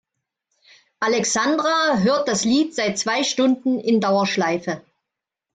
Alexandra hört das Lied seit zwei Stunden in Dauerschleife.